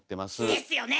ですよね！